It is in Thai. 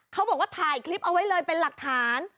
เขาบอกว่าถ่ายคลิปเอาไว้เลยเป็นหลักฐาน